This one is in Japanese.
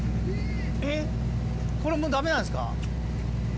えっこれもうダメなんですか？